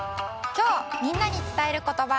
きょうみんなにつたえることば。